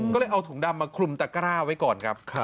ก็เลยเอาถุงดำมาคลุมตะกร้าไว้ก่อนครับ